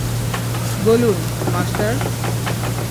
বলুন, মাস্টার।